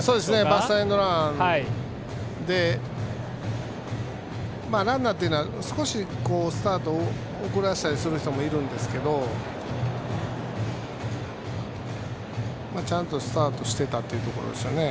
バスターエンドランでランナーは、少しスタートを遅らせたりする人もいるんですがちゃんとスタートしていたというところですね。